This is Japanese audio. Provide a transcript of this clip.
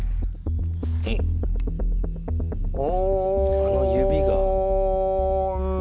あの指が。